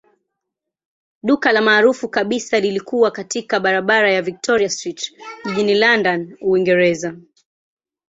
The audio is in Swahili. Duka lao maarufu kabisa lilikuwa katika barabara ya Victoria Street jijini London, Uingereza.